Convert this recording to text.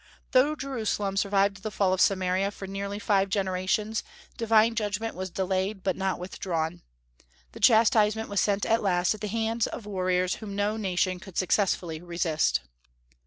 Though Jerusalem survived the fall of Samaria for nearly five generations, divine judgment was delayed, but not withdrawn. The chastisement was sent at last at the hands of warriors whom no nation could successfully resist.